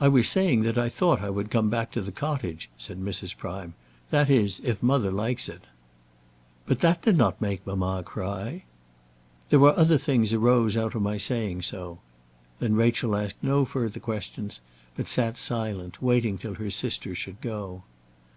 "I was saying that I thought I would come back to the cottage," said Mrs. Prime; "that is, if mother likes it." "But that did not make mamma cry." "There were other things arose out of my saying so." Then Rachel asked no further questions, but sat silent, waiting till her sister should go.